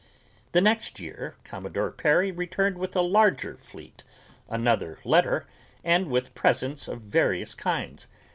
The next year Commodore Perry returned with a larger fleet, another letter, and with presents of various kinds.